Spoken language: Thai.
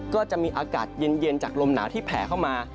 ก็จะมีอากาศเย็นจากลมหนาวที่แผ่เข้ามา